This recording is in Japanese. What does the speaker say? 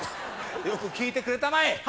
よく聞いてくれたまえ。